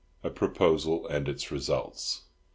A PROPOSAL AND ITS RESULTS.